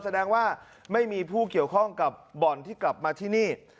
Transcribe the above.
แสดงว่าไม่มีผู้เกี่ยวข้องกับบ่อนที่กลับมาที่นี่